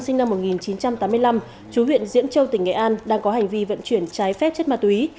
sinh năm một nghìn chín trăm tám mươi năm chú huyện diễn châu tỉnh nghệ an đang có hành vi vận chuyển trái phép chất ma túy